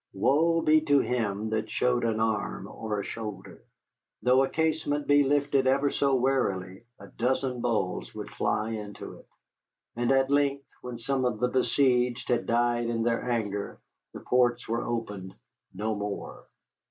Woe be to him that showed an arm or a shoulder! Though a casement be lifted ever so warily, a dozen balls would fly into it. And at length, when some of the besieged had died in their anger, the ports were opened no more.